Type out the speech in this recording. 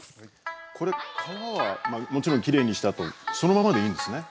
これ皮はもちろんきれいにしたあとそのままでいいんですね。